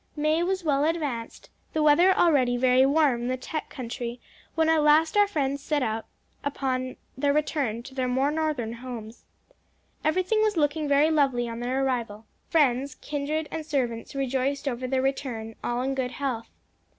May was well advanced, the weather already very warm in the Teche country when at last our friends set out upon their return to their more northern homes. Everything there was looking very lovely on their arrival. Friends, kindred and servants rejoiced over their return, all in good health.